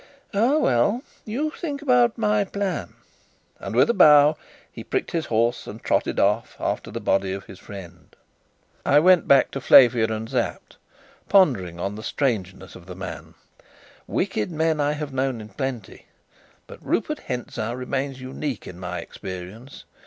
Ah, well, you think about my plan," and, with a bow, he pricked his horse and trotted after the body of his friend. I went back to Flavia and Sapt, pondering on the strangeness of the man. Wicked men I have known in plenty, but Rupert Hentzau remains unique in my experience.